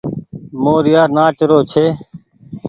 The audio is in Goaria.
موريآ نآچ رو ڇي۔